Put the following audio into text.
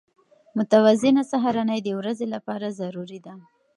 متوازنه سهارنۍ د ورځې لپاره ضروري ده.